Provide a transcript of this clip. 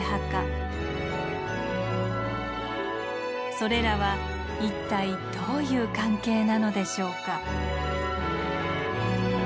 それらは一体どういう関係なのでしょうか。